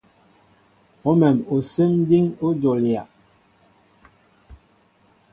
Awém osɛm diŋ a jolia.